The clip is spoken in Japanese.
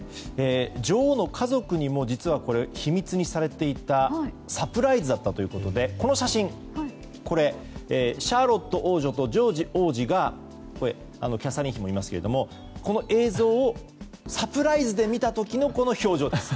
女王の家族にも実は秘密にされていたサプライズだったということでこの写真はシャーロット王女とジョージ王子キャサリン妃もいますけどこの映像をサプライズで見た時の表情です。